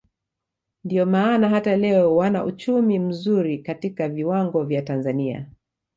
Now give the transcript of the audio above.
ndio maana hata leo wana uchumi mzuri katika viwango vya Tanzania